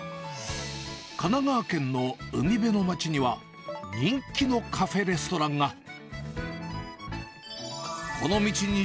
神奈川県の海辺の町には、人気のカフェレストランが。